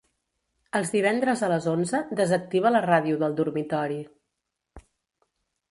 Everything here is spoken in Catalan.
Els divendres a les onze desactiva la ràdio del dormitori.